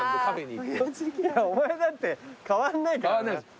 いやお前だって変わんないからな。